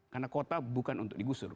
karena kota bukan untuk digusur